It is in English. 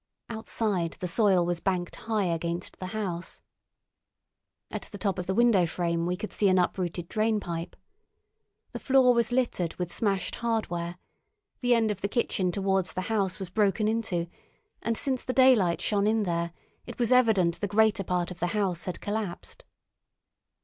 Outside, the soil was banked high against the house. At the top of the window frame we could see an uprooted drainpipe. The floor was littered with smashed hardware; the end of the kitchen towards the house was broken into, and since the daylight shone in there, it was evident the greater part of the house had collapsed.